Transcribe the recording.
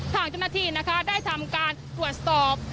ทางจำนาธินะคะได้ทำการตรวจสอบ